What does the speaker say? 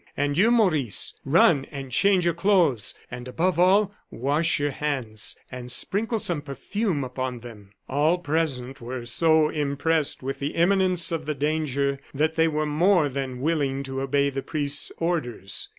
And you, Maurice, run and change your clothes; and, above all, wash your hands, and sprinkle some perfume upon them." All present were so impressed with the imminence of the danger, that they were more than willing to obey the priest's orders.